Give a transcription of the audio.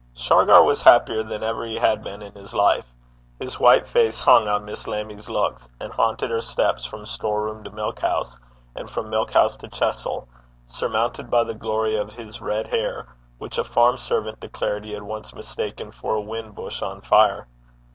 Shargar was happier than ever he had been in his life. His white face hung on Miss Lammie's looks, and haunted her steps from spence (store room, as in Devonshire) to milk house, and from milk house to chessel, surmounted by the glory of his red hair, which a farm servant declared he had once mistaken for a fun buss (whin bush) on fire.